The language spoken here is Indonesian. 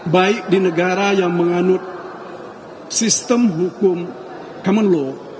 baik di negara yang menganut sistem hukum common law